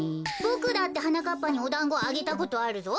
ボクだってはなかっぱにおだんごあげたことあるぞ。